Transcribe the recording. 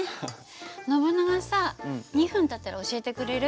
ノブナガさ２分たったら教えてくれる？